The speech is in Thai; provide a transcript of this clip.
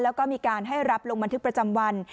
แล้วก็มีการให้รับลงบันทึกประจำวัน